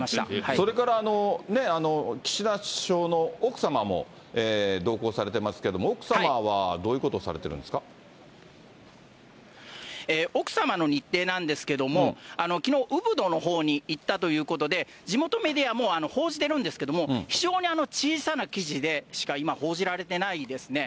それから岸田首相の奥様も同行されてますけれども、奥様はど奥様の日程なんですけれども、きのう、ウブドのほうに行ったということで、地元メディアも報じてるんですけども、非常に小さな記事でしか今、報じられていないですね。